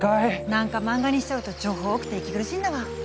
なんか漫画にしちゃうと情報多くて息苦しいんだわ。